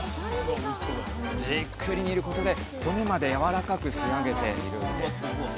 じっくり煮ることで骨までやわらかく仕上げているんです。